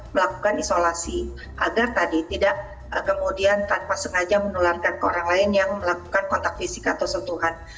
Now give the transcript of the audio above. melakukan isolasi agar tadi tidak kemudian tanpa sengaja menularkan ke orang lain yang melakukan kontak fisik atau sentuhan